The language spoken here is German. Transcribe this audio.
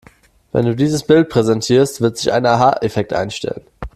Wenn du dieses Bild präsentierst, wird sich ein Aha-Effekt einstellen.